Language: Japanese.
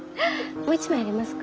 もう一枚要りますか？